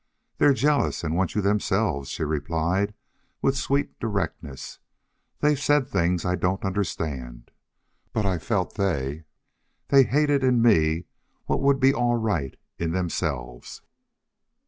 "They're jealous and want you themselves," she replied, with sweet directness. "They've said things I don't understand. But I felt they they hated in me what would be all right in themselves."